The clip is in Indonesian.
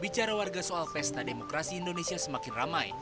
bicara warga soal pesta demokrasi indonesia semakin ramai